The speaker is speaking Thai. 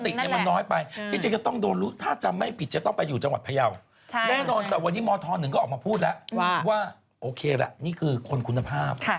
ซึ่งมันน้อยไปมันน้อยไปถ้าจะไม่ผิดจะต้องไปอยู่จังหวัดพยาวแน่นอนแบบวันนี้มธนหนึ่งก็ออกมาพูดแล้วว่าโอเคแหละนี่คือคนคุณภาพ